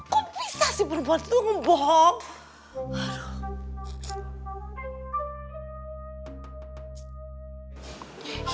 kok bisa sih perempuan itu ngebohong